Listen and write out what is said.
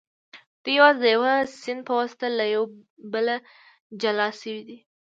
دوی یوازې د یوه سیند په واسطه له یو بله جلا شوي دي